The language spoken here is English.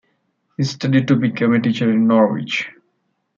He studied to become a teacher in Norwich.